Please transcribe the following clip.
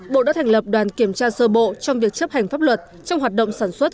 bộ đã thành lập đoàn kiểm tra sơ bộ trong việc chấp hành pháp luật trong hoạt động sản xuất